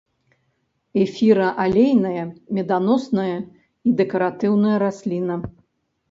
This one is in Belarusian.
Эфіраалейная, меданосная і дэкаратыўная расліна.